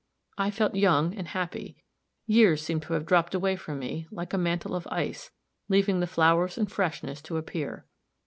I felt young and happy years seemed to have dropped away from me, like a mantle of ice, leaving the flowers and freshness to appear.